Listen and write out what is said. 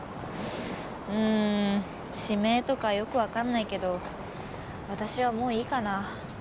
うん指名とかよく分かんないけど私はもういいかな。